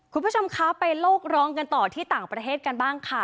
คุณผู้ชมคะไปโลกร้องกันต่อที่ต่างประเทศกันบ้างค่ะ